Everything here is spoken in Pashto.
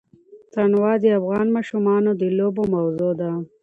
تنوع د افغان ماشومانو د لوبو موضوع ده.